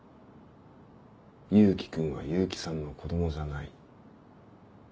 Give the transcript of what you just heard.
勇気君は結城さんの子供じゃない。